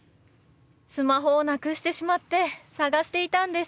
スマホをなくしてしまって探していたんです。